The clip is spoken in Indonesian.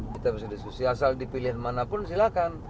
kita bisa diskusi asal dipilih mana pun silakan